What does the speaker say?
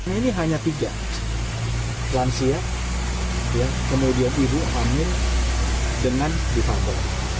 ini hanya tiga lansia kemudian ibu hamil dengan defable